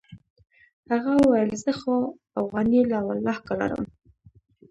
هغه وويل زه خو اوغانۍ لا ولله که لرم.